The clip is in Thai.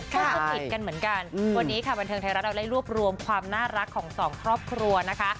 ก็ติดกันเหมือนกันวันนี้ค่ะบันเทิงไทยรัฐเราได้รวบรวมความน่ารักของสองครอบครัวนะคะ